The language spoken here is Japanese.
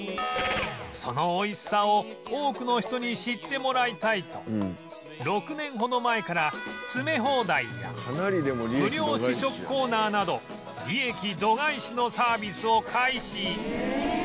その美味しさを多くの人に知ってもらいたいと６年ほど前から詰め放題や無料試食コーナーなど利益度外視のサービスを開始